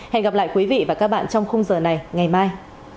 hẹn gặp lại quý vị và các bạn trong khung giờ này ngày mai